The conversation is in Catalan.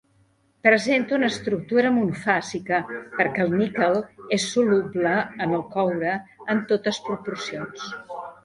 Presenta una estructura monofàsica perquè el níquel és soluble en el coure en totes proporcions.